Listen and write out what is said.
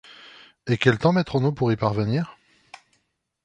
Et quel temps mettrons-nous à y parvenir?